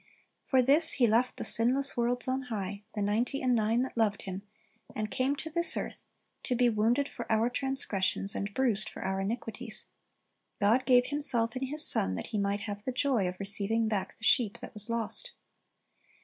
For this He left the sinless worlds on high, the ninety and nine that loved Him, and came to this earth, to be "wounded for our transgressions" and "bruised for our iniquities."' God gave Himself in His Son that He might have the joy of receiving back the sheep that was lost.